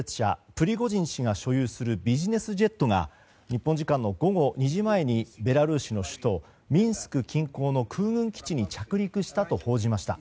プリゴジン氏が所有するビジネスジェットが日本時間の午後２時前にベラルーシの首都ミンスク近郊の空軍基地に着陸したと報じました。